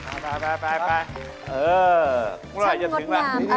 ช่องงดงามอารักจ้า